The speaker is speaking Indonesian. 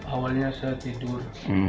awalnya saya tidur